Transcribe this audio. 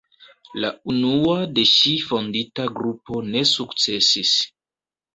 La unua de ŝi fondita grupo ne sukcesis.